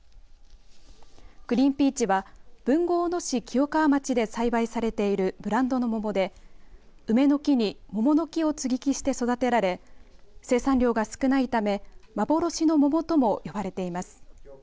クリーンピーチは豊後大野市清川町で栽培されているブランドの桃で梅の木に桃の木を接ぎ木して育てられ生産量が少ないため幻の桃とも呼ばれています。